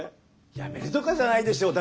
やめるとかじゃないでしょう。